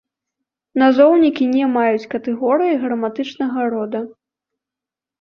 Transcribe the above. Назоўнікі не маюць катэгорыі граматычнага рода.